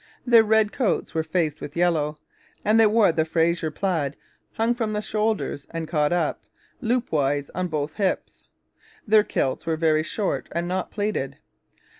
Their red coats were faced with yellow, and they wore the Fraser plaid hung from the shoulders and caught up, loopwise, on both hips. Their kilts were very short and not pleated.